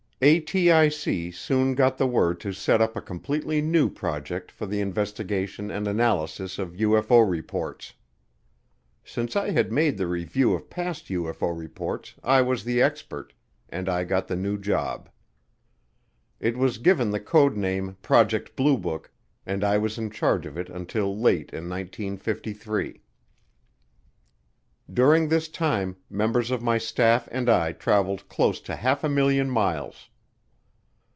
ATIC soon got the word to set up a completely new project for the investigation and analysis of UFO reports. Since I had made the review of past UFO reports I was the expert, and I got the new job. It was given the code name Project Blue Book, and I was in charge of it until late in 1953. During this time members of my staff and I traveled close to half a million miles.